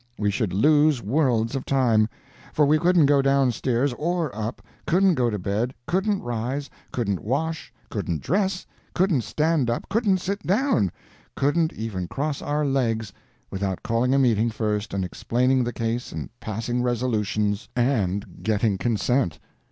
We should lose worlds of time, for we couldn't go down stairs or up, couldn't go to bed, couldn't rise, couldn't wash, couldn't dress, couldn't stand up, couldn't sit down, couldn't even cross our legs, without calling a meeting first and explaining the case and passing resolutions, and getting consent.